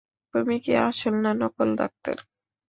তুমি কি আসল না নকল ডাক্তার?